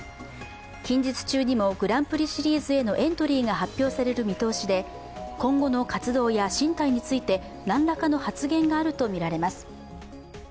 近日中にもグランプリシリーズへのエントリーが発表される見通しで、今後の活動や進退について、何らかの発言があるとみられます。